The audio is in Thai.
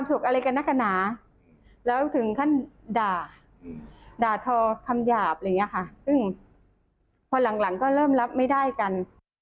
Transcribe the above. ซึ่งพอหลังก็เริ่มรับไม่ได้กัน